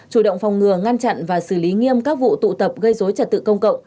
chủ động phòng ngừa ngăn chặn và xử lý nghiêm các vụ tụ tập gây dối trật tự công cộng